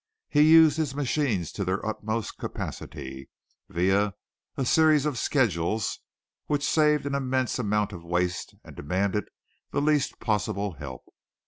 He used his machines to their utmost capacity, via a series of schedules which saved an immense amount of waste and demanded the least possible help.